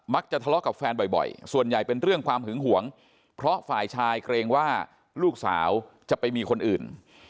ทะเลาะกับแฟนบ่อยส่วนใหญ่เป็นเรื่องความหึงหวงเพราะฝ่ายชายเกรงว่าลูกสาวจะไปมีคนอื่น